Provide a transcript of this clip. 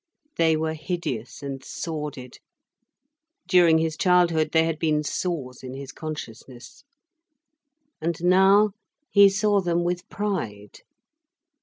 They were hideous and sordid, during his childhood they had been sores in his consciousness. And now he saw them with pride.